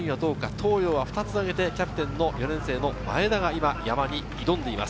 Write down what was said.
東洋は２つ上げて、キャプテン・前田が山に挑んでいます。